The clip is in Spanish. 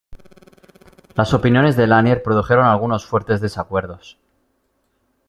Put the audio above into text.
Las opiniones de Lanier produjeron algunos fuertes desacuerdos.